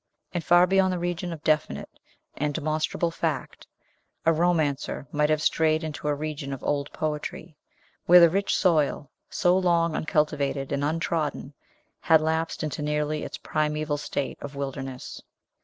And, far beyond the region of definite and demonstrable fact, a romancer might have strayed into a region of old poetry, where the rich soil, so long uncultivated and untrodden, had lapsed into nearly its primeval state of wilderness.